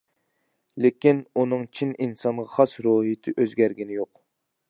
لېكىن ئۇنىڭ چىن ئىنسانغا خاس روھىيىتى ئۆزگەرگىنى يوق.